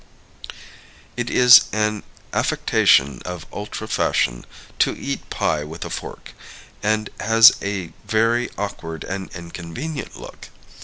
It is an affectation of ultra fashion to eat pie with a fork, and has a very awkward and inconvenient look.